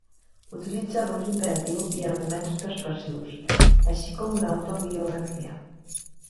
Utilitza l'ús imperatiu i arguments persuasius, així com l'autobiografia.